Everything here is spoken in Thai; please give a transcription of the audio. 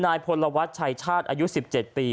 นายพลวัฒน์ชัยชาติอายุ๑๗ปี